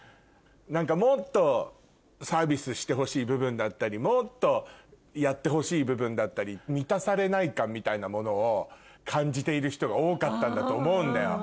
もっとサービスしてほしい部分だったりもっとやってほしい部分だったり満たされない感みたいなものを感じている人が多かったんだと思うんだよ。